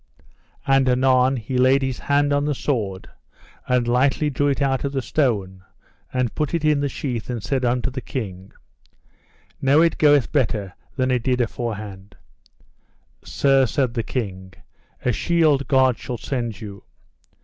And anon he laid his hand on the sword, and lightly drew it out of the stone, and put it in the sheath, and said unto the king: Now it goeth better than it did aforehand. Sir, said the king, a shield God shall send you.